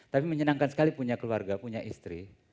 tapi menyenangkan sekali punya keluarga punya istri